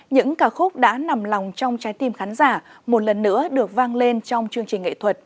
những ca khúc đã nằm lòng trong trái tim khán giả một lần nữa được vang lên trong chương trình nghệ thuật